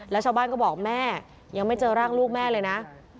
แล้วชาวบ้านก็บอกแม่ยังไม่เจอร่างลูกแม่เลยนะ